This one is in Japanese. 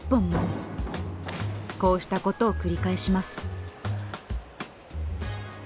こうしたことを繰り返します。